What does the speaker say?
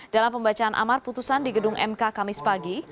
dalam pembacaan amar putusan di gedung mk kamis pagi